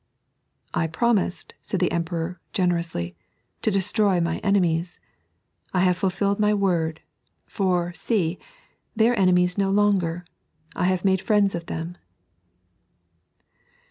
" I promised," said the Emperor, generously, " to destroy my enemies. I have fulfilled my word ; for, see, they are enemies no longer ; I have made friends of them."